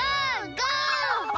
ゴー！